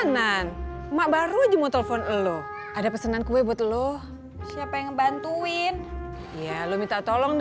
kan gue belum dapet penumpang